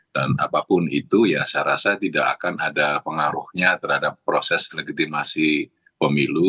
dan apapun itu ya saya rasa tidak akan ada pengaruhnya terhadap proses legitimasi pemilu